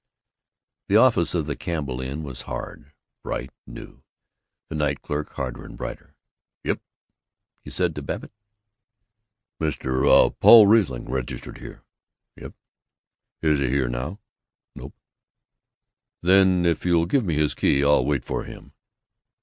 The office of the Campbell Inn was hard, bright, new; the night clerk harder and brighter. "Yep?" he said to Babbitt. "Mr. Paul Riesling registered here?" "Yep." "Is he in now?" "Nope." "Then if you'll give me his key, I'll wait for him."